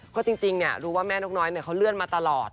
ก็จริงรู้ว่าแม่นกน้อยเขาเลื่อนมาตลอด